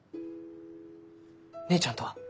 姉ちゃんとは？